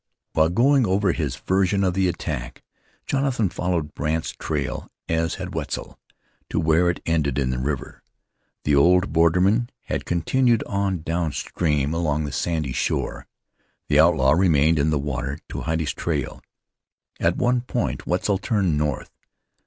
While going over his version of the attack, Jonathan followed Brandt's trail, as had Wetzel, to where it ended in the river. The old borderman had continued on down stream along the sandy shore. The outlaw remained in the water to hide his trail. At one point Wetzel turned north.